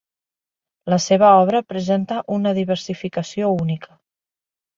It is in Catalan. La seva obra presenta una diversificació única.